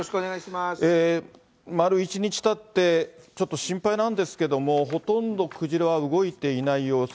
丸１日たって、ちょっと心配なんですけども、ほとんどクジラは動いていない様子。